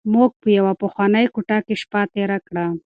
موږ په یوه پخوانۍ کوټه کې شپه تېره کړه.